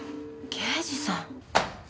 刑事さん。